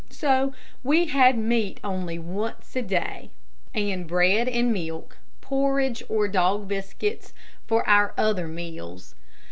So we had meat only once a day, and bread and milk, porridge, or dog biscuits, for our other meals.